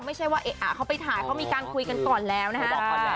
ไม่ใช่ว่าอะเอ่ยเข้าไปถ่ายเขามีการคุยกันก่อนแล้วนะฮะ